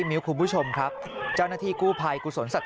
ตอนนี้ขอเอาผิดถึงที่สุดยืนยันแบบนี้